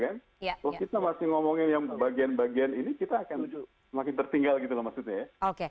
kalau kita masih ngomongin yang bagian bagian ini kita akan semakin tertinggal gitu loh maksudnya ya